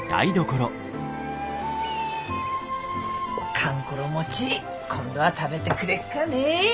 かんころ餅今度は食べてくれっかね。